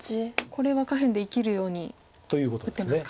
これは下辺で生きるように。ということです。